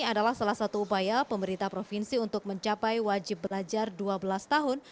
adalah salah satu upaya pemerintah provinsi untuk mencapai wajib belajar dua belas tahun